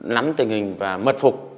nắm tình hình và mật phục